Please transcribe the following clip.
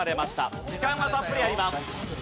時間はたっぷりあります。